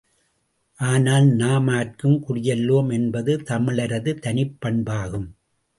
ஆனால், நாமார்க்கும் குடியல்லோம் என்பது தமிழரது தனிப்பண்பாகும்.